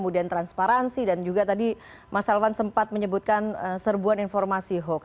dan transparansi dan juga tadi mas elvan sempat menyebutkan serbuan informasi hoax